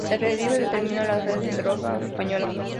El relieve determina la red hidrográfica española.